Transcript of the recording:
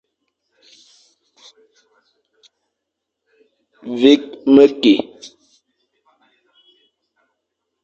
Vîkh mekî.